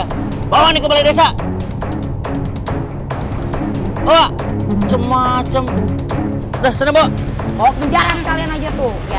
hai bawa nih ke balai desa oh cuma cemburu dah sama bawa bawa kejaran kalian aja tuh ya